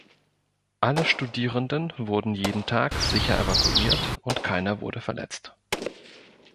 Alle Studierenden wurden jeden Tag sicher evakuiert und keiner wurde verletzt.